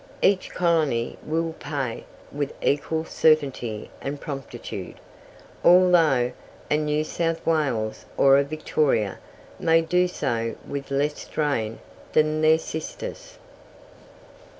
Each colony will "pay" with equal certainty and promptitude, although a New South Wales or a Victoria may do so with less strain than their sisters.